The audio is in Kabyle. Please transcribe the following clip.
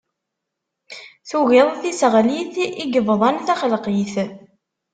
Tugiḍ tiseɣlit i yebḍan taxelqit.